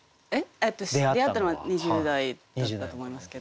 出会ったのは２０代だったと思いますけど。